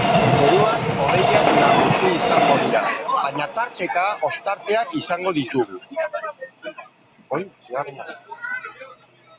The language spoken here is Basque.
Zeruan hodeiak nagusi izango dira, baina tarteka ostarteak izango ditugu.